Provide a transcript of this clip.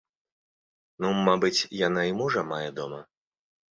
Ну, мабыць, яна і мужа мае дома.